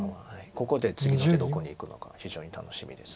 ここで次の手どこにいくのかが非常に楽しみです。